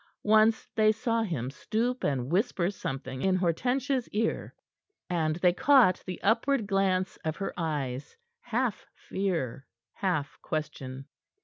Once they saw him stoop and whisper something in Hortensia's ear, and they caught the upward glance of her eyes, half fear, half question.